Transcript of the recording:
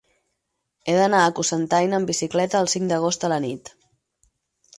He d'anar a Cocentaina amb bicicleta el cinc d'agost a la nit.